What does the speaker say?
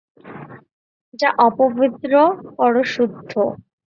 যা অপবিত্র করো শুদ্ধ।